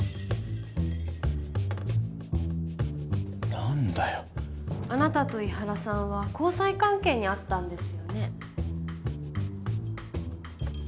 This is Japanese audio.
何だよあなたと井原さんは交際関係にあったんですよね？